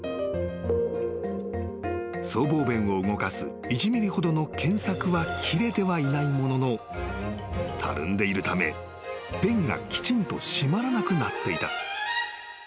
［僧帽弁を動かす１ｍｍほどの腱索は切れてはいないもののたるんでいるため弁がきちんと閉まらなくなっていた］